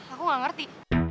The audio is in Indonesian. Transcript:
aku gak ngerti